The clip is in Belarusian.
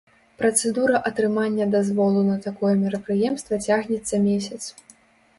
Працэдура атрымання дазволу на такое мерапрыемства цягнецца месяц.